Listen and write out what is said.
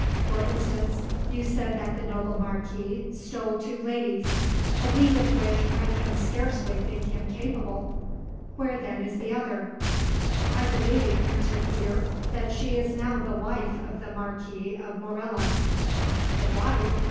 For instance, you said that the noble marquis stole two ladies, a deed of which I can scarcely think him capable. Where then is the other?" "I believe," answered Peter, "that she is now the wife of the Marquis of Morella." "The wife!